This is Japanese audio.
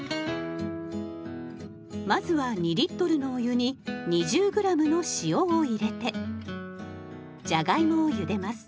まずは２のお湯に２０ｇの塩を入れてじゃがいもをゆでます。